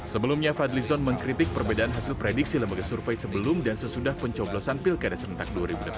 sebelumnya fadli zon mengkritik perbedaan hasil prediksi lembaga survei sebelum dan sesudah pencoblosan pilkada serentak dua ribu delapan belas